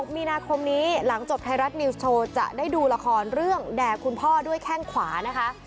มีนาคมนี้หลังจบไทยรัฐนิวส์โชว์จะได้ดูละครเรื่องแด่คุณพ่อด้วยแข้งขวานะคะ